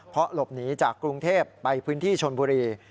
เพราะหลบหนีจากกรุงเทพไปพื้นที่ชนบุรี